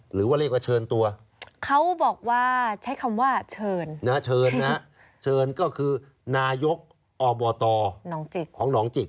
หรือว่าเรียกว่าเชิญตัวเขาบอกว่าใช้คำว่าเชิญนะเชิญนะเชิญก็คือนายกอบตหนองจิกของหนองจิก